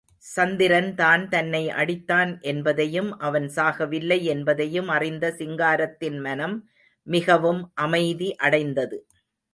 சந்திரன் தான் தன்னை அடித்தான் என்பதையும், அவன் சாகவில்லை என்பதையும் அறிந்த சிங்காரத்தின் மனம் மிகவும் அமைதி அடைந்தது.